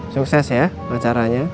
sukses ya acaranya